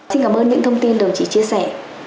xin cảm ơn những thông tin đồng chí chia sẻ